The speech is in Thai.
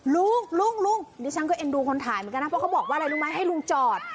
ลุงลุงดิฉันก็เอ็นดูคนถ่ายเหมือนกันนะเพราะเขาบอกว่าอะไรรู้ไหมให้ลุงจอด